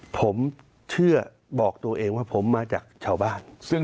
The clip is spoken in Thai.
ผมเชื่อบอกตัวเองว่าผมมาจากชาวบ้าน